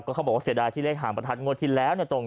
เขาบอกว่าเสียดายที่เลขหางประทัดงวดที่แล้วเนี่ย